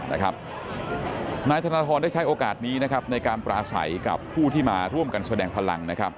นายธนทรได้ใช้โอกาสนี้ในการปราศัยกับผู้ที่มาร่วมกันแสดงพลัง